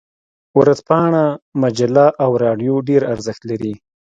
ورځپاڼه، مجله او رادیو ډیر ارزښت لري.